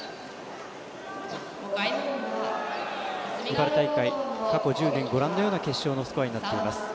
茨城大会、過去１０年ご覧のような決勝のスコアになっています。